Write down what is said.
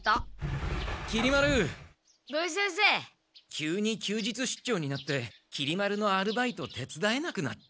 急に休日出張になってきり丸のアルバイト手つだえなくなった。